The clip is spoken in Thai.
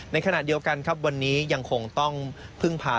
ในขณะเดียวกันครับวันนี้ยังคงต้องพึ่งพา